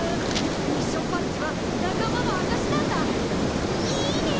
ミッションパッチは仲間のあかしなんだ。